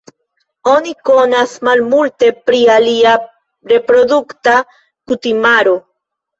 Oni konas malmulte pri ilia reprodukta kutimaro.